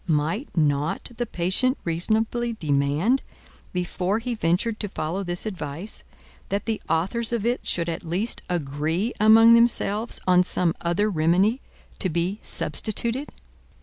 Might not the patient reasonably demand, before he ventured to follow this advice, that the authors of it should at least agree among themselves on some other remedy to be substituted?